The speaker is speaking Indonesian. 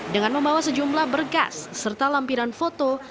dengan membawa sejumlah berkas serta lampiran foto